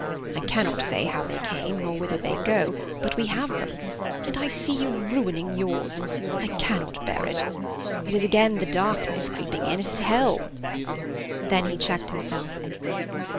I cannot say how they came nor whither they go, but we have them, and I see you ruining yours. I cannot bear it. It is again the darkness creeping in; it is hell." Then he checked himself.